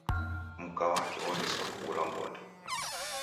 Mkwa wake woliswa kubulwa ngonde.